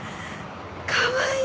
かわいい。